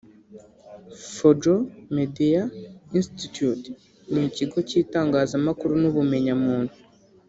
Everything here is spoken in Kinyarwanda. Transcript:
Fojo Media Institute ni ikigo cy’itangazamakuru n’ubumenyamuntu